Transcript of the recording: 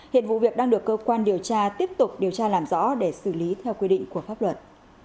hiện vụ việc đang được cơ quan điều tra tiếp tục điều tra làm rõ để xử lý theo quy định của pháp luật